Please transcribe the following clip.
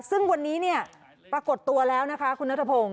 ซึ่งวันนี้เนี่ยปรากฏตัวแล้วนะคะคุณนัทพงศ